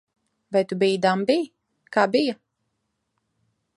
Vai tu biji dambī? Kā bija?